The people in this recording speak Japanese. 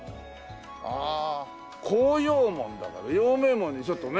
ああ孝養門だから陽明門にちょっとね。